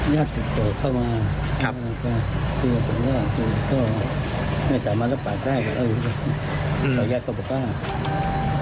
อยากให้บ้างมั้ยอยากให้บ้างมั้ย